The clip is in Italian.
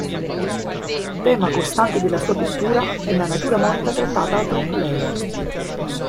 Tema costante della sua pittura è la natura morta trattata a 'Trompe-l'œil'.